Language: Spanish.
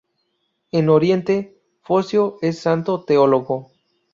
En Oriente, Focio es santo teólogo.